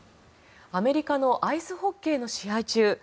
アメリカのアイスホッケーの試合中